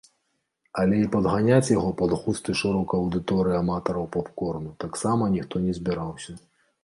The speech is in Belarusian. Але і падганяць яго пад густы шырокай аўдыторыі аматараў поп-корну таксама ніхто не збіраецца.